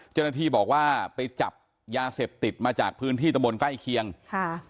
เจ้าหน้าที่บอกว่าไปจับยาเสพติดมาจากพื้นที่ตะบนใกล้เคียงค่ะ